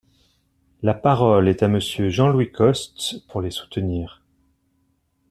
La parole est à Monsieur Jean-Louis Costes, pour les soutenir.